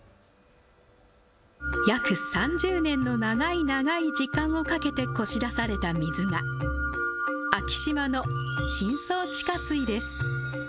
約３０年の長い長い時間をかけてこし出された水が昭島の深層地下水です。